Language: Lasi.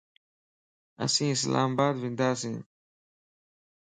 اسين اسلام آباد ونداسين